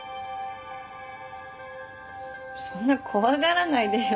そんな怖がらないでよ。